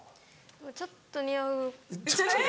ちょっとにおう。